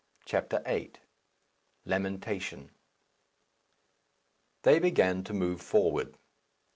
CHAPTER VIII. LAMENTATION. They began to move forward.